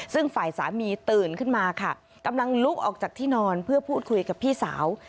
ซึ่งฝ่ายสามีตื่นขึ้นมาค่ะกำลังลุกออกจากที่นอนเพื่อพูดคุยกับพี่สาว